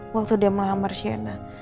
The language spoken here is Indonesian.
waktu dia melamar syena